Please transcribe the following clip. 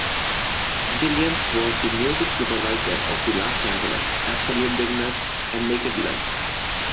Williams was the music supervisor of The Last Emperor, Absolute Beginners and Naked Lunch.